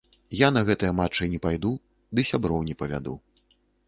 Я на гэтыя матчы не пайду ды сяброў не павяду.